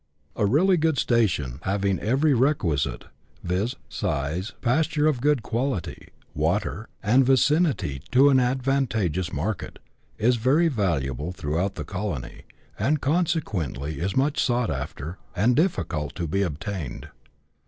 A really good station, having every requisite, viz. size, pas ture of good quality, water, and vicinity to an advantageous market, is very valuable throughout the colony, and consequently is much sought after, and difficult to be obtained.